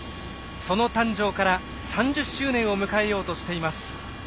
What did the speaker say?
その誕生から３０周年を迎えようとしています。